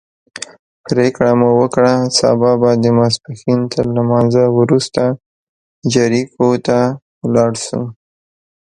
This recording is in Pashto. پرېکړه مو وکړه سبا به د ماسپښین تر لمانځه وروسته جریکو ته ولاړ شو.